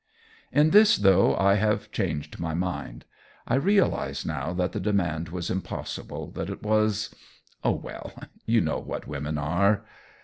In this, though, I have changed my mind. I realize now that the demand was impossible, that it was oh, well, you know what women are!